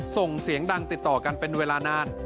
ส่งเสียงดังติดต่อกันเป็นเวลานาน